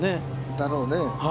だろうね。